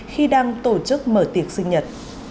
khi đang tổ chức mở tiệc sinh nhật